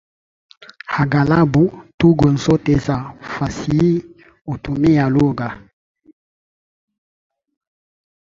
Aghalabu tungo zote za fasihi hutumia lugha.